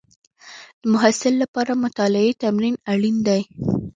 د محصل لپاره مطالعې تمرین اړین دی.